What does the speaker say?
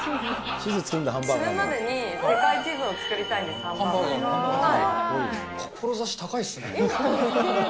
死ぬまでに世界地図を作りた志、高いっすね。